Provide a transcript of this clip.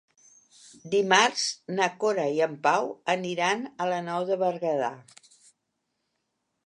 Dimarts na Cora i en Pau aniran a la Nou de Berguedà.